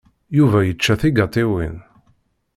Yuba yečča tigaṭiwin.